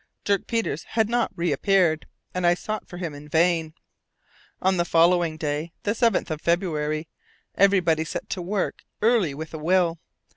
Dirk Peters had not reappeared, and I sought for him in vain. On the following day, the 7th of February, everybody set to work early with a will.